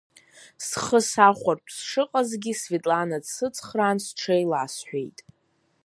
Схы сахәартә сшыҟазгьы Светлана дсыцхраан, сҽеиласҳәеит.